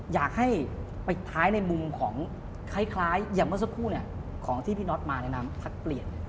อยากให้ไปท้ายในมุมของคล้ายอย่างเมื่อสักครู่ของที่พี่น็อตมาในนามพักเปลี่ยน